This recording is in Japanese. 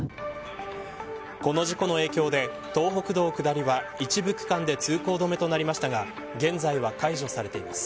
この事故の影響で東北道下りは一部区間で通行止めとなりましたが現在は解除されています。